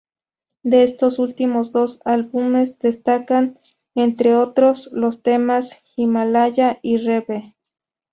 De estos dos últimos álbumes destacan, entre otros, los temas "Himalaya" y "Rêve".